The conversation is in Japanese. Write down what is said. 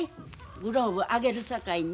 グローブあげるさかいに。